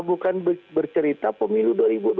bukan bercerita pemilu dua ribu dua puluh